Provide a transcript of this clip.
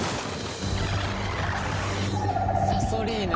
サソリーヌ。